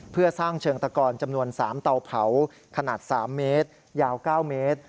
เพื่อสร้างเชิงตะกอนจำนวน๓เตาเผาขนาด๓เมตรยาว๙เมตร